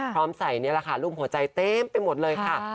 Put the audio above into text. ใส่นี่แหละค่ะรูปหัวใจเต็มไปหมดเลยค่ะ